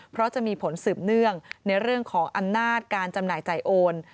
เพราะจะมีผลสืบเนื่องในเรื่องของอำนาจการจำหน่ายจ่ายโอน